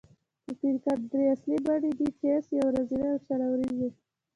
د کرکټ درې اصلي بڼې دي: ټېسټ، يو ورځنۍ، او شل اووريز.